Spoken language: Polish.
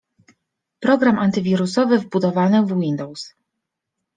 Program antywirusowy wbudowany w Windows